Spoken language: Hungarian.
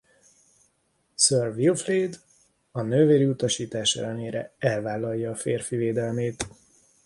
Sir Wilfred a nővéri utasítás ellenére elvállalja a férfi védelmét.